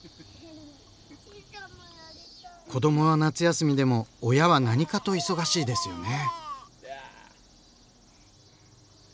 子どもは夏休みでも親は何かと忙しいですよね。